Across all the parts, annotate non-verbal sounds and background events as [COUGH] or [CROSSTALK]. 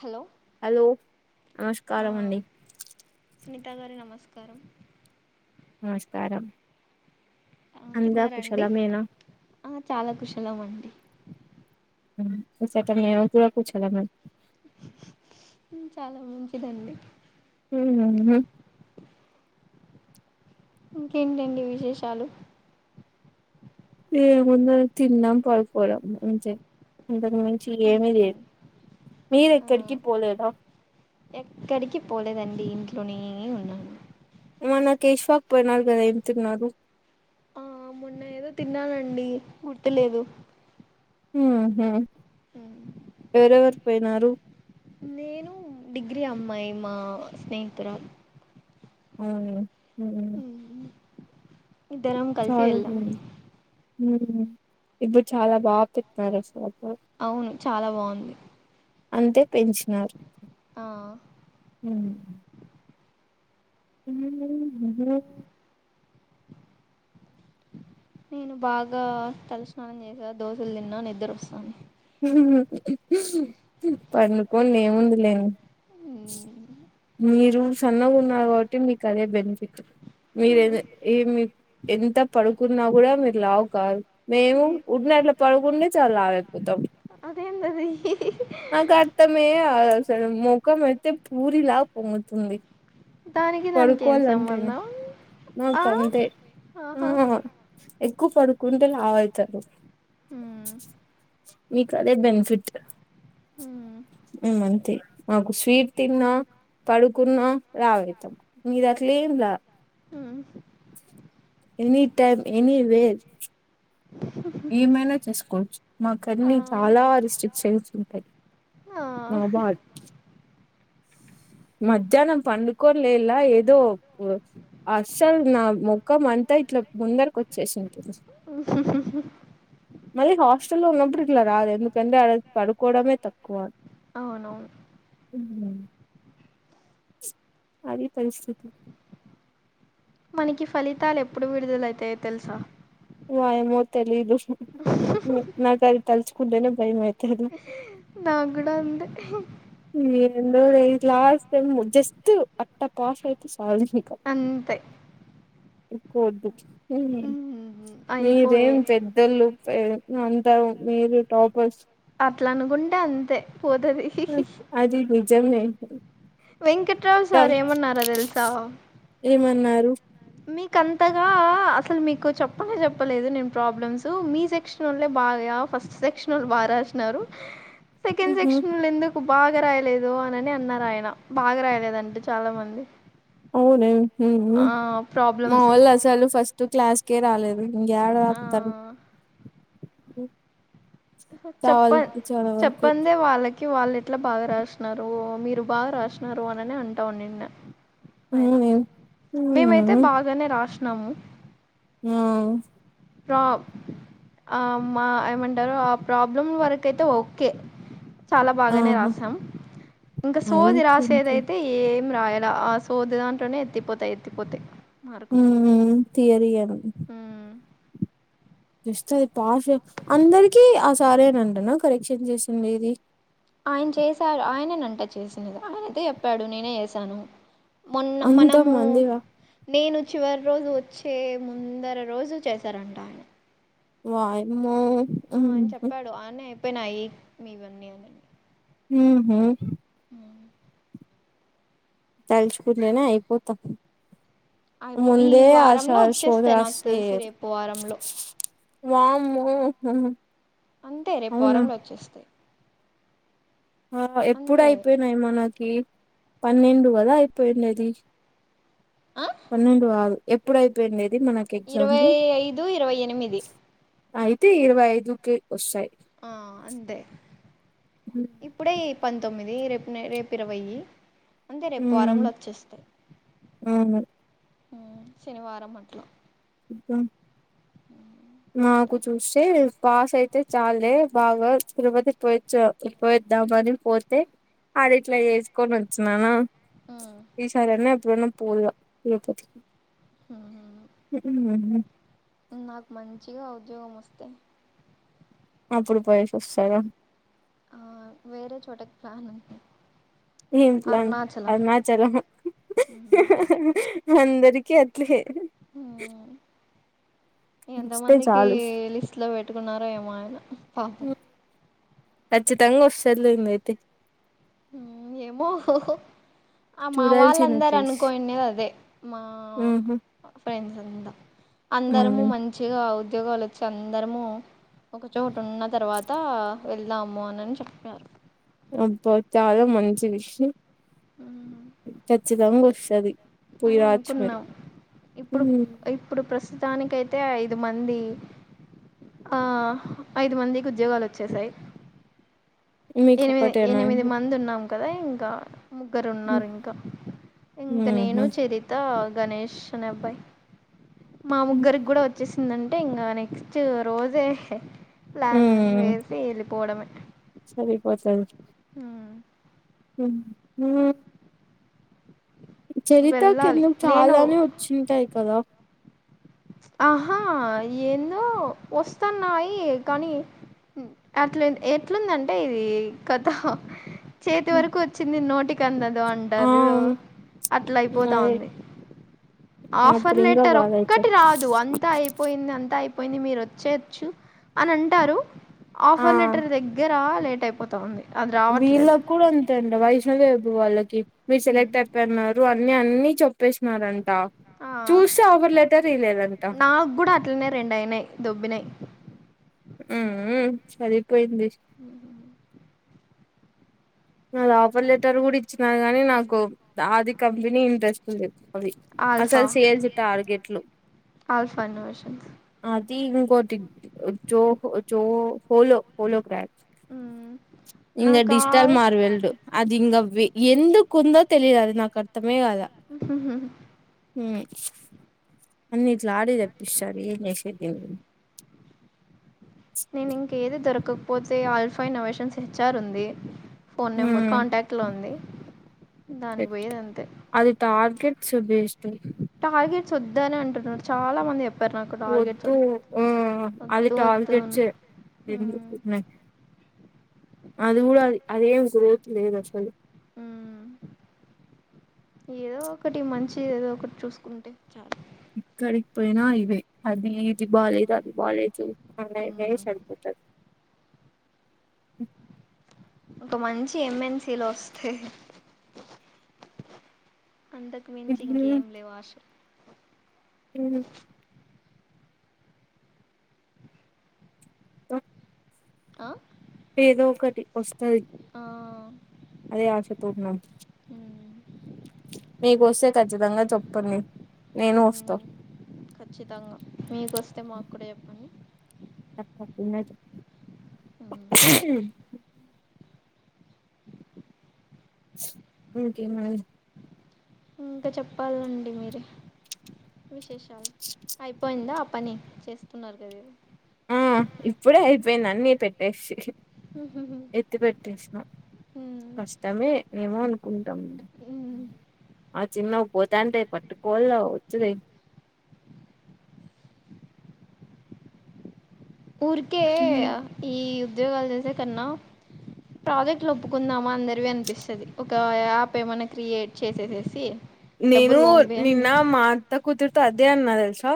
Hello hello నమస్కారమండి కట్టగారి నమస్కారం నమస్కారం ఆ అంతా తిన్నార అండి కుశలమేనా ఆ చాలా కుషలం అండి ఆ ఇచ్చట నేను కూడ కుశలమే చాలా మంచిదండి ఉహు ఇంకేంటండి విశేషాలు ఏందు తిన్నాం పడుకోడం అంతే ఏమి లేదు మీరు ఆ ఎక్కడికి పోలేదా ఎక్కడికి పోలేదండి ఇంట్లోనే ఉన్నాను మన కేశవాక్ పోయినారు గదా ఎం తిన్నారు నే ఏదో తిన్నానండి గుర్తులేదు ఉహు ఎరెవరు పోయినారు నేను డిగ్రీ అమ్మాయి మా స్నేహితురా ఊ ఉ ఇద్దరం కలిసి చాలా వెళ్ళాం బాగుంది. ఇప్పుడు చాలా బాగా పెట్టినారు అసలు అవును చాలా బాగుంది అంతే పెంచినారు ఆ ఉ ఉహు నేను బాగా తలస్నానం చేసా దోశలు తిన్నా నిద్దరోస్తాంది పన్నుకోని ఏముందిలేన్ మీరు సన్నగా ఉన్నారు కాబట్టి మీకు అదే బెనిఫిట్ మీర ఏ ఎమీ ఎంత పడుకున్నా కూడా మీరు లావు కారు మేము ఉడ్కనే అట్లా పడుకుంటే చాలు లావాయిపోతాం అదేందది నాకు అర్తమే అవ్వదు అసలు మొఖం అయితే పూరి లా పొంగుతుంది దానికి దానికి ఏం సంబంధం మా ఆ కంతే ఆ ఆహా ఎక్కువ పడుకుంటే లావ్ అయితారు హ్మ్ మీకు అదే బెనిఫిట్ హ్మ్ మంతె మాకు స్వీట్ తిన్నా పడుకున్న లావైతం మీది అట్లే ఏం ల హ్మ్ ఎని టైమ్ ఎని వేర్ ఏమైనా చేసుకోవచ్చు మా ఆ కన్ని చాలా రిస్ట్రిక్షయన్స్ ఉంటాయి ఆ నోబట్ మధ్యానం పడుకోంలేల్లా ఏదో అస్సలు నా మొఖం అంతా ఇట్లా ముందరకి వచ్చేసుంటుం [INAUDIBLE] మళ్ళీ హాస్టల్ లో ఉన్నప్పుడు ఇట్లా రాదు ఎందుకంటే పడుకోవడమే తక్కువ అవును అది పరిస్థి మనకి ఫలితాలు ఎప్పుడు విడుదలైతాయో తెల్సా వ ఏమో తెలీదు నా కది తలుచుకుంటేనే భయం అయ్ నాగుడా అంతె ఏందో లే లాస్ట్ టైమ్ జస్ట్ అట్టా పాస్ అయ్ వాషిక అంతే ఎక్కువద్దు అయిపోయే మీరేం పెద్దలు పె అంతా మీరు టాపర్స్ అట్లా అనుకుంటే అంతే పోతది అది నిజమే వెంకట్రావు సార్ ఏమన్నారో తెల్సా ఏమన్నారు మీక అంతగా అసలు మీకు చెప్పలే చెప్పలేదు నేను ప్రాబ్లమ్స్ మీ సెక్షన్ వల్లే బాగా రాయ ఫస్ట్ సెక్షనల్ బారాసినారు సెకండ్ ఉహు సెక్షన్లో ఎందుకు బాగా రాయలేదు అనిని అన్నారు ఆయన బాగా రాయలేదంటే చాలా మంది అవునే ఉ ఉ మా ప్రాబ్లమ్స్ వాళ్ళు అసలు ఫస్ట్ క్లాస్కే రాలేదు ఇంకా ఏడ రతారు చెప్ప చెప్పందే వాళ్లకి వాళ్ళు ఎట్లా బాగా రాస్తున్నారు మీరు బాగా రాస్తున్నారు అననే అంటావునిన్నా అయినా అవునే మేమైతే ఉహు బాగానే రాసినము ఆ రాబ్ ఆ మా ఏమంటారు ఆ ప్రాబ్లం వరకయితే ఓకే చాలా బాగానే ఆహా రాసాం ఇంకా అయి సోది రాసేదయితే ఏమి రాయాల ఆ సోద దాంట్లోనే ఎత్తిపోతాయి ఎత్తిపోతే ఉ తిథయరి అం ఆ వస్తుది పాస్ అందరికిీ ఆ సారేనంటనా కరెక్షన్ చేసి ఇది ఆయన చేశారు ఆయననంట చేసినది ఆయనయితే చెప్పాడు నేనే చేసాను మొన్న అంత మనము మందివా నేను చివరి రోజు వచ్చే ముందర రోజు చేశారంటా వయమ్మో ఆ అని చెప్పాడు ఆన్న అయిపోయినాయి మీ ఇవన్నీ అని ఉహు ఉమ్. తలుచుకులేనా అయిపోతాం అయిపో ఈ మందే అ వారంలో సారు సోది వచ్చేస్తాయి నాకు రాస్తే తెలిసి ఏయరు రేపు వారంలో వామ్మో ఉ అంతే రేపు వరంలో వచ్చేస్తాయి ఆ ఎప్పుడు అంతే అయిపోయినాయి మనకి పన్నెండు కదా అయిపోయింది అది ఆ పన్నెండు వదు ఎప్పుడయిపోయింది ఇరవై ఐదు ఇరవై ఎనిమిది అయితే ఇరవై ఐదుకి వస్తాయ్ ఆ అంతే ఇప్పుడే పంతొమ్మిది రేపు రేపు ఇరవై అంతే రేపు ఉమ్ వారంలో వచ్చేస్తాయ్ అవును ఉమ్ శనివారం ఆట్లా ఉ మాకు చూద్దాం చూస్తే పాస్ అయితే చాలే బాగా తిరుపతి పోచ్చ పోద్దామని పోతే అది ఇట్లా వేసుకొని వచ్చన్నాను ఈసారిన ఎప్పుడున్న పోదున తిరుపతికి ఉ నాకు మంచిగా ఉద్యోగాం మస్తే అప్పుడు పోయేసి వస్తార ఆ వేరే చోట చోటకి ప్లాను ఉంది ఏం ప్లాన్ అరుణాచలం అరుణాచలం అంతే రికి ఎట్ అ ఎంత వస్తే మందికి చాలు లిస్ట్ లో పెట్టుకున్నారో ఏమో ఆయన పాపం ఖచ్చితంగా వస్తదిలేండి అయితే ఏమో ఆ మా చూడాల్సిన వాళ్ళందర ప్లేస్ అనుకోనిండేది అదే మా ఉహు ఫ్రెండ్స్ దా అందరము అవును మంచిగా ఉద్యోగాలు వచ్చి అందరము ఒక చోట ఉన్న తర్వాత వెళ్దాము అనని చెప్పారు అబ్బా చాలా మంచి విషయం ఖచ్చితంగా వస్తది పోయి అని రావచ్చు మీరు అనుకున్నాం ఇప్పుడు ఇప్పుడు ప్రసి తానిక అయితే ఐదు మంది ఆ ఐదు మందికి ఉద్యోగాలు వచ్చేసాయి మీకు ఎనిమిది ఒకటేనా ఎనిమిది ఇంక మంది ఉన్నాం కదే ఇంకా ముగ్గురు ఉన్నారు ఇంకా ఇంక నేను ఉహు చరిత గణేష్ అనే అబ్బాయి మా ముగ్గురికి కూడా వచ్చేసి ఏందంటే ఇంకా నెక్స్ట్ రోజే ప్లాన్ వేసి వెళ్ళిపోవడమే సరిపోదు అసల్ హ చరిత వెళ్ళాలి కిందకు నేను చాలానే వచ్చింటాయి కదా ఆహా ఏందో వస్తన్నాయి కానీ అట్లు ఎట్లుందంటే ఇది కొత్త చేతి వరకు వచ్చింది నోటికి అందం ఆ అంటారు జూడు అట్లా అయిపోతా అదే ఉంది ఆఫర్ అప్పుడు ఇంకా లెటర్ బాధ అయితది ఒకటి రాదు అంత అయిపోయింది అంతా అయిపోయింది మీరు వచ్చేయచ్చు అని అంటారు ఆ ఆఫర్ లెటర్ దగ్గర లేట్ అయిపోతా ఉంది అది రావట్లేదు వీళ్ళకి కూడా అంతే అండి వైష్ణోదేవి వాళ్ళకి మీరు ఉమ్. సెలెక్ట్ అయిపోయిన్నారు అ మీ అన్ని చెప్పేసినారన్ ఆ, చూస్తే ఆఫర్ లెటర్ ఇలేదంట నాకు కూడా అట్లనే రెండు అయినాయి దొబ్బినాయి సరిపోయింది నా ఆపర్ లెటర్ కూడా ఇచ్చినారు కానీ నాకు ఆది కంపెనీ ఇంట్రెస్ట్ లేదు అవి ఆల్ఫా అసలు సేల్స్ టార్గెట్లు ఆల్ఫా ఇన్నోవేషన్స్ అ ఇంకోటి చో హోలో హలో పా నా కాల్ వెల్డు అది ఇంగ ఎందుకు ఉందో తెలిదు అది నాకు అర్థం కమే కాదా ఉ అన్ని ఇట్లా ఆడే తెప్పిస్తాడు ఏం చేసేది నేను ఇంక ఏది దొరకకపోతే ఆల్ఫాయిన్ అవషన్స్ హెచ్చర్ ఉంది ఫోన్ నెంబర్ ఉమ్ కాంటాక్ట్ లో ఉంది దానికి పోయేది అంతే సుభ ఎస్తె టార్గెట్స్ వద్దనే అంటున్నారు చాలా మంది ఎ వద్దు ఆ అది వద్దు వద్దు అని టార్గెట్సే అది హ్మ్, కూడా కూడా అది అదే గ్రోతు లేదసలు ఉ ఏదో ఒకటి మంచిగ ఏదో ఒకటి చూసుకుంటే చాలా ఇక్కడి పోయినా ఇది అది ఇది బాలేదు అది బాలేదు ఉన్నాయి ఇదే హ్మ్. సరిపోతది ఒక మంచి ఎంఎన్సీలో వస్తే అంతకు మించి ఇంకేం లేవ్ ఆషలు ఉ త ఆ ఏదో ఒకటి వస్తది ఆ, అదే ఆశ తో ఉన్నం ఉ మీకు వస్తే ఖచ్చితంగా చెప్పండి నేను హ్మ్. వస్తా ఖచ్చితంగా మీకొస్తే మాకూడా చెప్పండి తకు హ్మ్. చె ఇంకేమి ఇంకా చెప్పాలండి మీర విశేషాలు అయిపోయిందా పని చేస్తున్నారు కదా ఏదో ఆ ఇప్పుడే అయిపోయింది అన్ని పెట్టేసి ఏదో. ఎత్తి పెట్టేస్నా ఉమ్, కష్టమే ఏమో అన్ ఉమ్. ఆ చిన్న పోతాంటే పట్టుకోల్ల వచ్చుది ఊరికే ఈ ఉద్యోగాలు జెసే కన్నా ప్రాజెక్ట్లు ఒప్పుకుందామా అందరివి అనిపిస్తది ఒక యాప్ ఏమైనా క్రియేట్ చేసేసేసి నేను డబ్బులు నిన్న పంపియండి మా అత్త కూతురుతో అదే అన్నా తెల్సా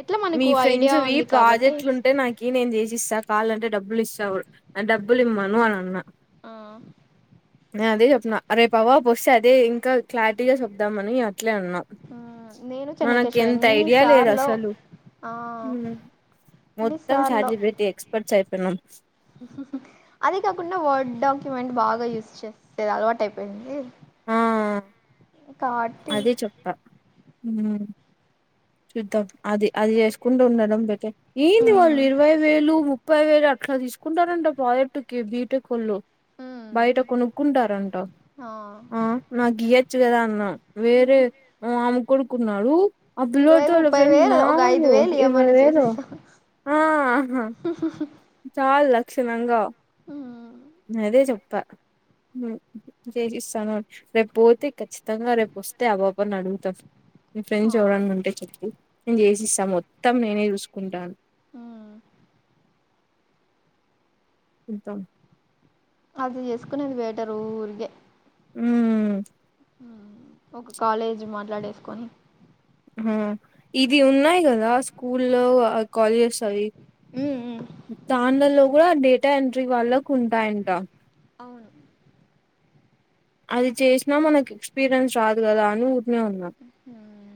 ఎట్లా మీ మనకు ఐడియా ఫ్రెండ్స్వి ఉంది కాబట్టి ప్రాజెక్ట్లు ఉంటే నాకు నేను చేసిస్తా కావాలంటే డబ్బులు ఇస్తావు డబ్బులు ఇమ్మను అని అన్నా ఆ, నేను అదే చెప్న్నా రేపు ఆ పాప వస్తే అదే ఇంకా క్లా గట్టిగా చూదామని అట్లే అన్నా ఆ, నేను మనకి చెన్నకేశవ ఎంత ఐడియా లేదు ఎన్నిసార్లు అసలు ఆ మొత్తం chat G P T experts అయిపోయినాం అదే కాకుండా వర్డ్ డాక్యుమెంట్ బాగా యూస్ చేసిది అలవాటయిపోయింది ఆ కాట్టి ఉ చూద్దం అది అది చేసుకుంట ఉండడం బెటర్ ఏంది ఉమ్, వాళ్ళు ఇరవై వేలు ముప్పై వేలు ఇలా తీసుకుంటారంట ప్రాజెట్టుకి బీ టెకొళ్ళు బయట ఉమ్, కొనుక్కుంటారంట ఆ, ఆ నాకు ఇయ్యొచ్చు కదా అన్న వేరే ఉమ్, మామ కొడుకున్నాడు ఆ ఇరవై పిల్లోడితో వాళ్ళ ముప్పై ఫ్రెండ్స్ వేలు ఒక ఐదు మాములు వేలు ఇరవై ఇయమను వేలు చేసిస్త చాల్ లక్షణంగా అదే చెప్ప చేసిస్తాను రేపు పోతే ఖచ్చితంగా రేపు వస్తే ఆ పాపని అడుగుతా మీ ఆ ఫ్రెండ్స్ ఎవరన్నా ఉంటే చెప్పు నేను చేసిస్తా మొత్తం నేనే చూసుకుంటా ఆ మొతం అది చేసుకునేది బెటరు ఊరికే ఊ ఒక కాలేజీ మాట్లాడేసుకొని ఆ ఇది ఉన్నాయి కదా స్కూల్లో కాలేజెస్ అవి ఉమ్ ఉమ్ దానిలలో కూడా డేటా ఎంట్రీ వాళ్ళకు ఉంటాయంట అవును అది చేసినా మనకు ఎక్స్పీరియన్స్ రాదు కదా అన్ని ఊరికినే ఉన్నా ఉమ్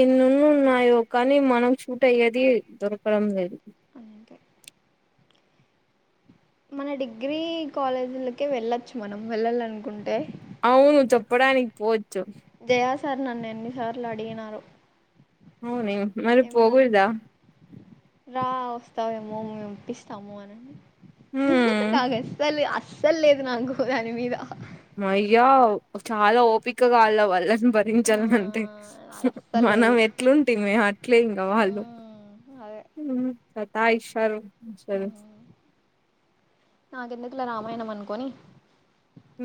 ఎన్నన్న ఉన్నాయో కానీ మనం షూట్ అయ్యేది దొరకడం లేదు అంతే మన డిగ్రీ కాలేజీలకే వెళ్ళొచ్చు మనం వెళ్లాలనుకుంటే అవును చప్పడానికి పోవచ్చు జయా సార్ నన్ను ఎన్ని సార్లు అడిగినారో అవునే మరి ఏమని పోకోడదా రా వస్తావేమో మేపిస్తాము అని హ్మ్ నాకూ అసల అస్సలు లేదు నాకు దాని మీద మయ్యా చాలా ఓపికగా వాళ్ళ వాళ్ళ ఆ భరించాల అంటే నాకు అస్సలు మనం లేదు ఎట్లుంటే మే అట్లే ఇంకా వాళ్ళు హ్మ్ అదే సత్తాయిచారు సా అట్లా రామాయణం అనుకోని ఉ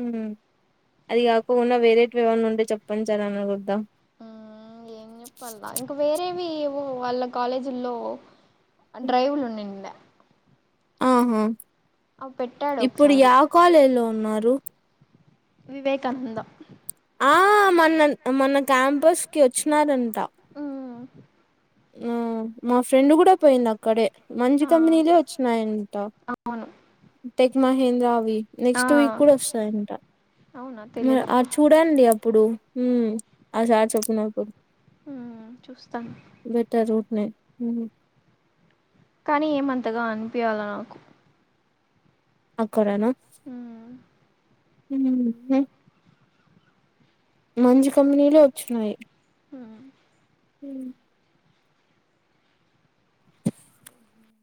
అది కాకుండా వేరే ఎవన్న ఉంటే చెప్పంచాల అన్నకుద్దా ఆ ఏం చెప్పలా ఇంకా వేరేవి వాళ్ళ కాలేజీల్లో డ్రైవూలు ఉన్నాయ్ నిన్న ఆహా అవి పెట్టాడు ఇప్పుడు ఒకసారి యా కాలేజీలో ఉన్నారు వివేకానంద ఆ మన మన క్యాంపస్ కి వచ్చినారంట అ ఆ మా ఫ్రెండ్ కూడా పోయింది అక్కడే మంచి ఆ కంపెనీలు వచ్చినాయంట అవును టెక్ మహేంద్ర అవి ఆ నెక్స్ట్ వీక్ కూడా వస్తాయంట అవునా తెలీదబ్బా చూడండి అప్పుడు అ సర్ చెప్పు నాకు ఉ చూస్తా బెటర్ ఉన్నాయి కానీ ఏమంతగా అనిపియాల నాకు అక్కడా ఉం ఉహు మంచి కంపెనీలు వచ్చినన్నాయి ఉం ఉం